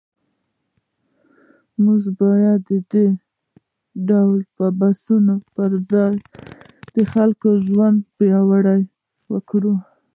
موږ باید د دې ډول بحثونو پر ځای د خلکو ژوند ته پاملرنه وکړو.